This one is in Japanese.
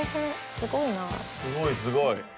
すごいすごい！